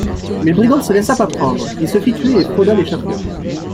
Mais le brigand ne se laissa pas prendre, il se fit tuer et frauda l'échafaud.